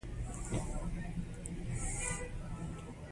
ماشوم باید د لوبو برخه کې فعال وي.